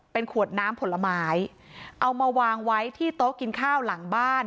เป็นขวดน้ำผลไม้เอามาวางไว้ที่โต๊ะกินข้าวหลังบ้าน